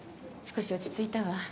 少し落ち着いたわ。